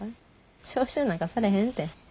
召集なんかされへんて。